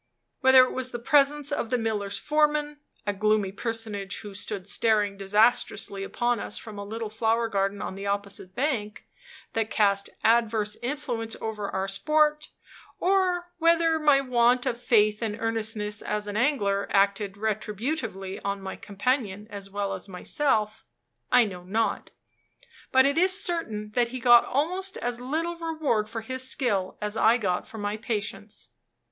Whether it was the presence of the miller's foreman a gloomy personage, who stood staring disastrously upon us from a little flower garden on the opposite bank that cast adverse influence over our sport; or whether my want of faith and earnestness as an angler acted retributively on my companion as well as myself, I know not; but it is certain that he got almost as little reward for his skill as I got for my patience.